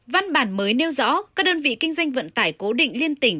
văn bản mới nêu rõ các đơn vị kinh doanh vận tải cố định liên tỉnh